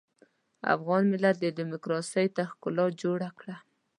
افغان ملت ډيموکراسۍ ته ښکلا جوړه کړه.